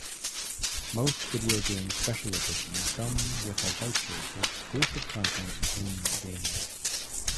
Most video game special editions come with a voucher for exclusive content in-game.